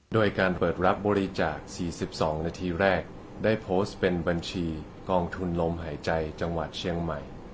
โดยการเปิดรับบริจาค๔๒นาทีแรกได้โพสต์เป็นบัญชีกองทุนลมหายใจจังหวัดเชียงใหม่